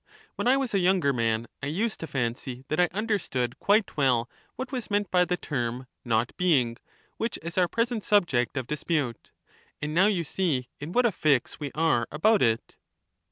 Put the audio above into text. When I was a younger man, I used to fancy that I understood quite well what was meant by the term 'not being,* which is our present subject of dispute; and now you see in what a fix we are about it.